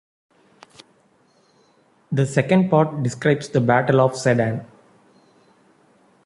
The second part describes the battle of Sedan.